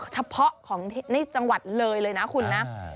เฉพาะของในจังหวัดเลยเลยนะคุณนะ